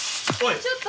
ちょっと！